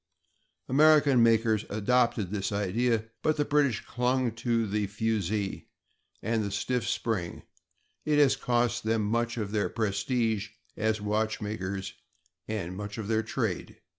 American makers adopted this idea, but the British clung to the fusee and the stiff spring; it has cost them much of their prestige as watchmakers and much of their trade.